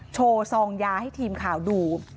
ซองยาให้ทีมข่าวดู